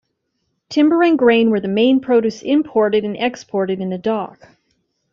Timber and grain were the main produce imported and exported in the dock.